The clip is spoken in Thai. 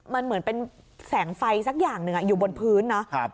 มันเหมือนเป็นแสงไฟสักอย่างหนึ่งอยู่บนพื้นนะ